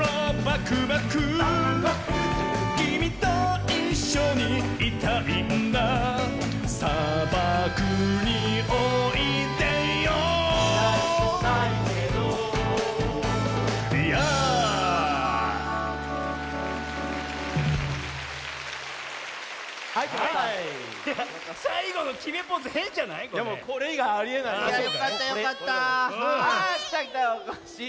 あきたきたおこっしぃ。